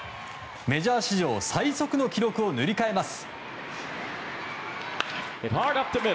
メジャー史上最速の記録を塗り替えます。